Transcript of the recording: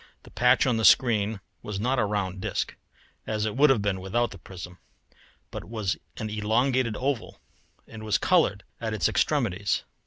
The patch on the screen was not a round disk, as it would have been without the prism, but was an elongated oval and was coloured at its extremities.